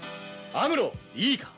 アムロいいか？